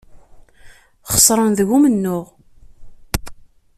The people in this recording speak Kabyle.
Xesren deg umennuɣ.